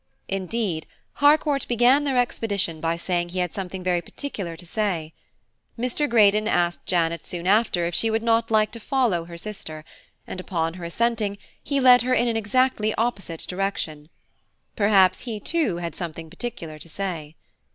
Indeed, Harcourt began their expedition by saying he had something very particular to say. Mr. Greydon asked Janet soon after if she would not like to follow her sister and, upon her assenting, he led her in an exactly opposite direction. Perhaps he too had something particular to say.